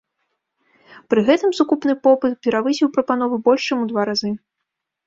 Пры гэтым сукупны попыт перавысіў прапанову больш чым у два разы.